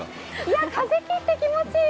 風切って気持ちいい！